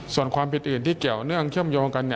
ส่วนความผิดอื่นที่เกี่ยวเนื่องเชื่อมโยงกัน